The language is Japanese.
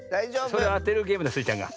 それをあてるゲームだスイちゃんが。